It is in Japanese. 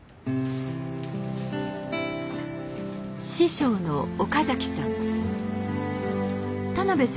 師匠の岡崎さん。